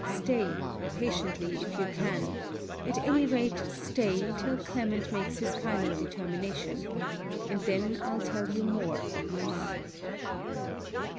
Stay, patiently if you can: at any rate, stay, till Clement makes his final determination, and then I'll tell you more of my mind.